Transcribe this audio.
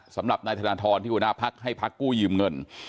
สำหรับนายธนทรที่หัวหน้าพักให้พักกู้ยืมเงิน